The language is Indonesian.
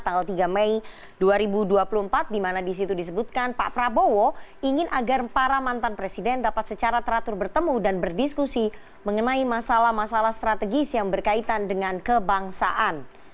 tanggal tiga mei dua ribu dua puluh empat di mana disitu disebutkan pak prabowo ingin agar para mantan presiden dapat secara teratur bertemu dan berdiskusi mengenai masalah masalah strategis yang berkaitan dengan kebangsaan